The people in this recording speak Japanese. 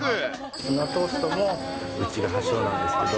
ツナトーストもうちが発祥なんですけど。